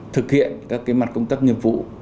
thực hiện các mặt công tác nhiệm vụ